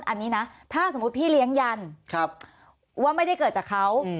อันนี้นะถ้าสมมุติพี่เลี้ยงยันว่าไม่ได้เกิดจากเขา